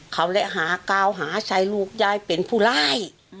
เขาเลยหากาวหาชัยลูกยายเป็นผู้ร้าย